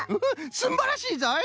すんばらしいぞい！